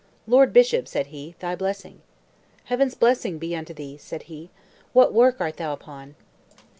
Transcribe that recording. "Lord Bishop," said he, "thy blessing." "Heaven's blessing be unto thee!" said he. "What work art thou upon?"